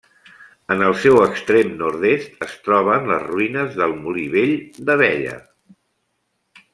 En el seu extrem nord-est es troben les ruïnes del Molí Vell d'Abella.